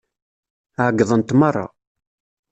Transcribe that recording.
Ɛeyyḍent meṛṛa.